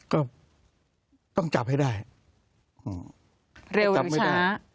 ก็ต้องจับให้ได้เร็วหรือช้า